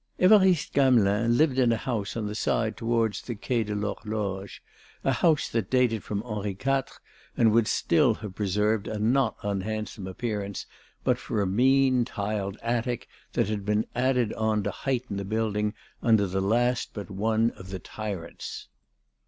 Évariste Gamelin lived in a house on the side towards the Quai de l'Horloge, a house that dated from Henri IV and would still have preserved a not unhandsome appearance but for a mean tiled attic that had been added on to heighten the building under the last but one of the tyrants.